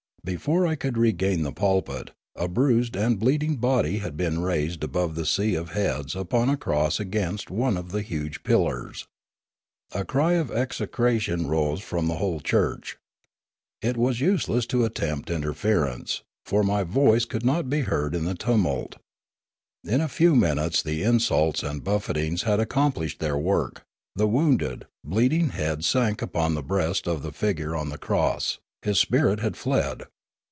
Before I could regain the pulpit, a bruised and bleeding body had been raised above the sea of heads upon a cross against one of the huge pillars. A cry of execration rose from the whole church. It was useless to attempt interference, for my voice could not be heard in the tumult. In a few minutes the insults and bufferings had accomplished their work; the wounded, bleeding head sank upon the breast of the figure on the cross; his spirit had fled.